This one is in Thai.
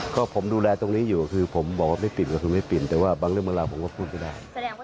ก็ผมดูแลตรงนี้อยู่คือผมบอกว่าไม่ปิดก็คือไม่ปิดแต่ว่าบางเรื่องบางราวผมก็พูดไม่ได้